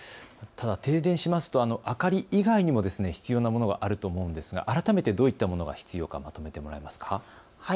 ただ停電しますと明かり以外にも必要なもの、あると思うんですが改めてどういうものが必要かまとめてもらえますか。